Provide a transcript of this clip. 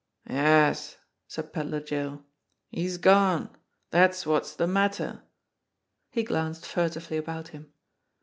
"Yes," said Pedler Joe; "he's gone dat's wot's de mat ter." He glanced furtively about him.